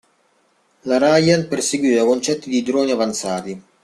La Ryan perseguiva concetti di droni avanzati.